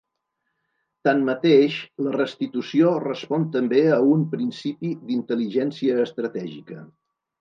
Tanmateix, la restitució respon també a un principi d’intel·ligència estratègica.